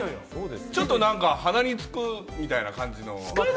ちょっと鼻につくみたいな感じの。